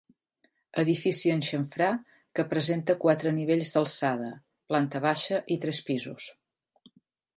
Edifici en xamfrà que presenta quatre nivells d'alçada, planta baixa i tres pisos.